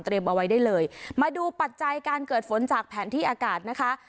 เอาไว้ได้เลยมาดูปัจจัยการเกิดฝนจากแผนที่อากาศนะคะ